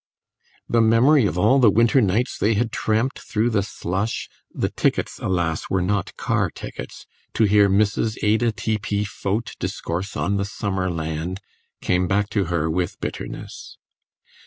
The memory of all the winter nights they had tramped through the slush (the tickets, alas! were not car tickets) to hear Mrs. Ada T. P. Foat discourse on the "Summer land," came back to her with bitterness.